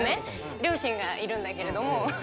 両親がいるんだけれども。